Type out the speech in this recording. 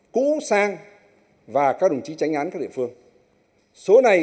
cũ sang và các đồng chí tránh án các địa phương này